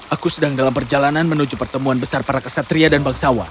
aku sedang dalam perjalanan menuju pertemuan besar para kesatria dan bangsawan